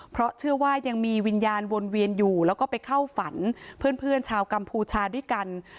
เพราะเชื่อว่ายังมีวิญญาณวนเวียนอยู่แล้วก็ไปเข้าฝันเพื่อนชาวกัมพูชาด้วยกัน